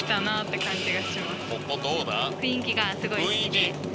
雰囲気がすごい好きで。